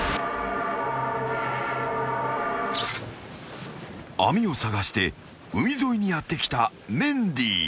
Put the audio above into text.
［網を捜して海沿いにやって来たメンディー］